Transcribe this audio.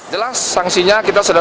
jelas sanksinya kita sudah